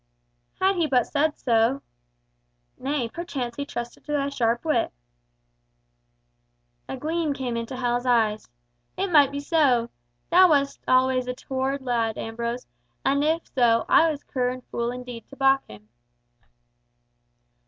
"Had he but said so—" "Nay, perchance he trusted to thy sharp wit." A gleam came into Hal's eyes. "It might be so. Thou always wast a toward lad, Ambrose, and if so, I was cur and fool indeed to baulk him."